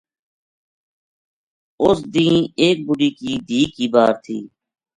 اس دینہ ایک بڈھی کی دھی کی بار تھی